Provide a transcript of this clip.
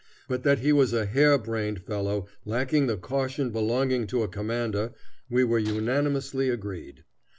But that he was a hare brained fellow, lacking the caution belonging to a commander, we were unanimously agreed.